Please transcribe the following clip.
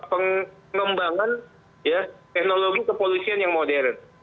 pengembangan teknologi kepolisian yang modern